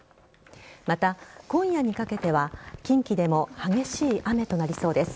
また、今夜にかけては近畿でも激しい雨となりそうです。